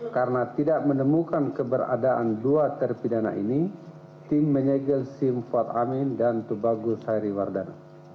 karena tidak menemukan keberadaan dua terpidana ini tim menyegel sim fuad amin dan tubagus hairi wardana